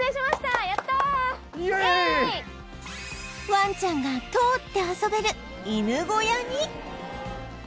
ワンちゃんが通って遊べる犬小屋に